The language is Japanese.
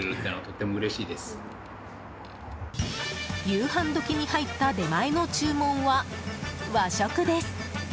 夕飯時に入った出前の注文は和食です。